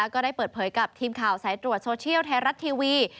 ก็ได้เปิดเผยกับทีมข่าวสายตรวจโซเชียลไทยรัฐทีวี